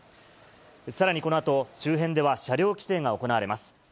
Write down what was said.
さらにこのあと、周辺では車両規制が行われます。